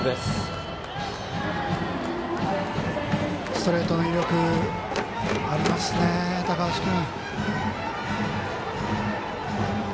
ストレートの威力ありますね、高橋君。